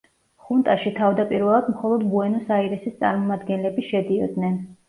ხუნტაში თავდაპირველად მხოლოდ ბუენოს-აირესის წარმომადგენლები შედიოდნენ.